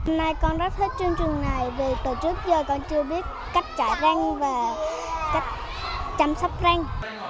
hôm nay con rất thích chương trình này vì tổ chức giờ con chưa biết cách chạy răng và cách chăm sóc răng